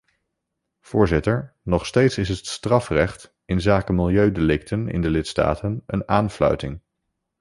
Voorzitter, nog steeds is het strafrecht inzake milieudelicten in de lidstaten een aanfluiting.